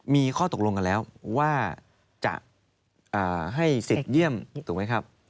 มีข้อตกลงกันแล้วว่าจะให้สิทธิ์เยี่ยมถูกไหมครับ